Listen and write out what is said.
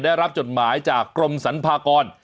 ได้รับจดหมายจากกรมสรรพากร